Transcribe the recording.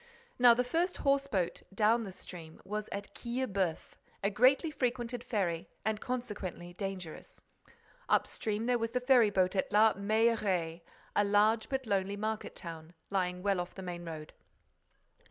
Now the first horse boat down the stream was at Quillebeuf, a greatly frequented ferry and, consequently, dangerous. Up stream, there was the ferry boat at La Mailleraie, a large, but lonely market town, lying well off the main road.